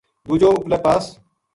دُوجو اُپلے پاس